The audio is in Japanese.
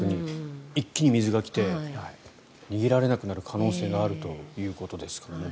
一気に水が来て逃げられなくなる可能性があるということですからね。